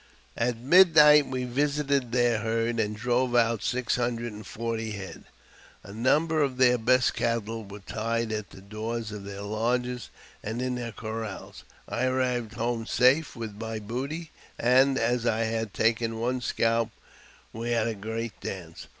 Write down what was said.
At midnight we visited their herd, and drove out six hundrec and forty head. A number of their best cattle were tied atj the doors of their lodges and in their corrals. I arrived home] safe with my booty, and, as I had taken one scalp, we had a] great dance.